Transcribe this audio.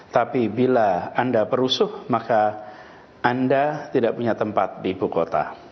tapi bila anda perusuh maka anda tidak punya tempat di ibu kota